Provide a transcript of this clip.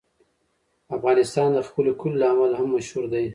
افغانستان د خپلو کلیو له امله هم مشهور دی.